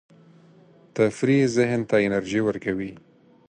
تفریح ذهن ته انرژي ورکوي.